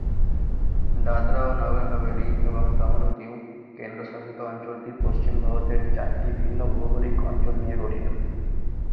দাদরা ও নগর হাভেলি এবং দমন ও দিউ কেন্দ্রশাসিত অঞ্চলটি পশ্চিম ভারতের চারটি ভিন্ন ভৌগোলিক অঞ্চল নিয়ে গঠিত।